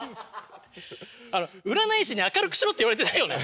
あの占い師に明るくしろって言われてないよね？